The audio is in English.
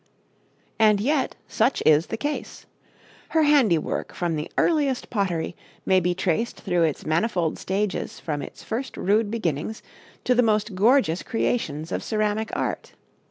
And yet such is the case. Her handiwork from the earliest pottery may be traced through its manifold stages from its first rude beginnings to the most gorgeous creations of ceramic art.